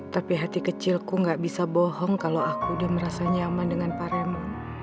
tapi hati kecilku nggak bisa bohong kalau aku udah merasa nyaman dengan pak remo